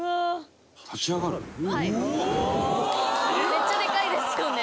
めっちゃデカいですよね